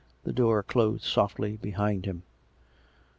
The door closed softly behind him.